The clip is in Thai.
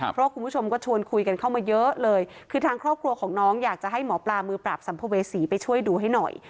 เพราะว่าคุณผู้ชมก็ชวนคุยกันเข้ามาเยอะเลยคือทางครอบครัวของน้องอยากจะให้หมอปลามือปราบสัมภเวษีไปช่วยดูให้หน่อย